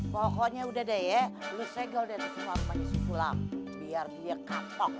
pokoknya udah deh ya lo segau deh sama rumahnya si sulam biar dia kapok